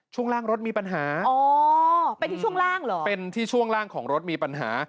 ช่วงล่างรถมีปัญหาอ๋อเป็นที่ช่วงล่างเหรอเป็นที่ช่วงล่างของรถมีปัญหา